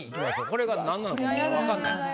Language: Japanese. これがなんなのかまだ分かんない。